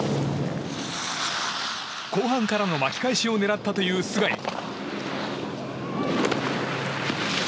後半からの巻き返しを狙ったという須貝。